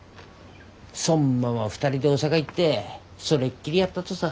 そんまま２人で大阪行ってそれっきりやったとさ。